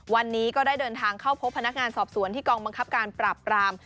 วันนี้ก็ได้เดินทางเข้าพบพนักงานสอบสวนที่กองบังคับการปราบปราม